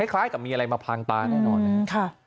คล้ายกับมีอะไรมาพลางตาแน่นอน